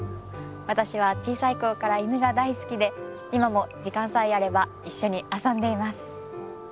私は小さい頃から犬が大好きで今も時間さえあれば一緒に遊んでいます。